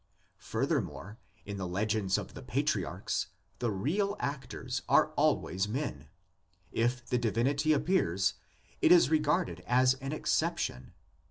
Furthermore, in the legends of the patriarchs the real actors are always men; if the divinity appears, it is regarded as an 13 14 THE LEGENDS OF GENESIS exception.